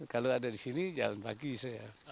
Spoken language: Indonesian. kalau ada di sini jalan pagi saya